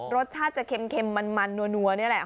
รสชาติจะเค็มมันนัวนี่แหละ